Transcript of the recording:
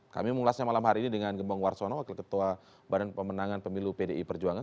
kami mengulasnya malam hari ini dengan gembong warsono wakil ketua badan pemenangan pemilu pdi perjuangan